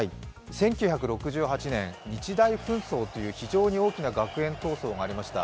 １９６８年、日大紛争という非常に大きな学園闘争がありました。